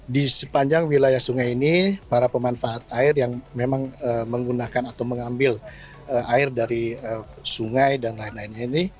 di sepanjang wilayah sungai ini para pemanfaat air yang memang menggunakan atau mengambil air dari sungai dan lain lainnya ini